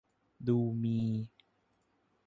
ดูมี